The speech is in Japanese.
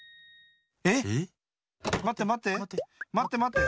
えっ⁉まってまって。